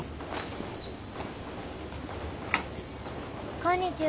こんにちは。